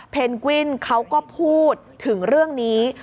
กวินเขาก็พูดถึงเรื่องนี้